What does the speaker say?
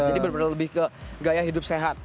jadi benar benar lebih ke gaya hidup sehat